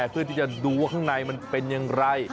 เพื่อที่จะดูว่าข้างในมันเป็นอย่างไร